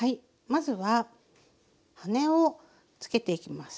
まずは羽をつけていきます。